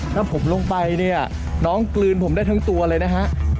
ถ้าผมลงไปเนี่ยน้องกลืนผมได้ทั้งตัวเลยนะฮะ